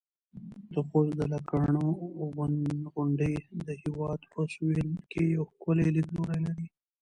د خوست د لکڼو غونډۍ د هېواد په سویل کې یو ښکلی لیدلوری لري.